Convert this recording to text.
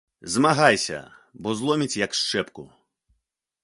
Змагайся, бо зломіць, як шчэпку.